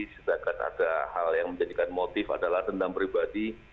sedangkan ada hal yang menjadikan motif adalah dendam pribadi